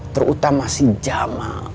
terutama si jama